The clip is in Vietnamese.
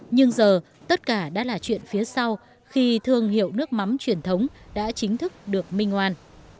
nhưng giờ tất cả đã là chuyện phía sau khi thương hiệu nước mắm truyền thống đã chính thức được minh oan